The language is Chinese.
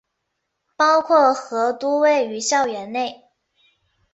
包括和都位于校园内。